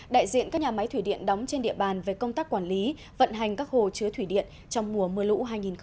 đại diện các nhà máy thủy điện đóng trên địa bàn về công tác quản lý vận hành các hồ chứa thủy điện trong mùa mưa lũ hai nghìn hai mươi